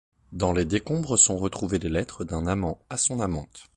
Dans les décombres sont retrouvées les lettres d’un amant à son amante.